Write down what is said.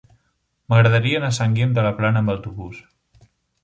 M'agradaria anar a Sant Guim de la Plana amb autobús.